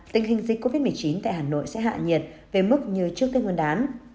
tình hình dịch covid một mươi chín tại hà nội sẽ hạ nhiệt về mức như trước tết nguyên đán